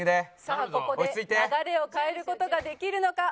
さあここで流れを変える事ができるのか？